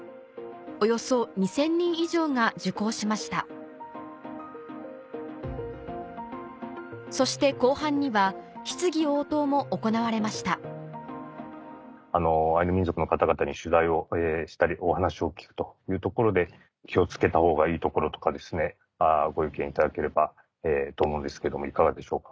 およそ２０００人以上が受講しましたそして後半には質疑応答も行われましたアイヌ民族の方々に取材をしたりお話を聞くというところで気を付けたほうがいいところとかご意見いただければと思うんですけどもいかがでしょうか。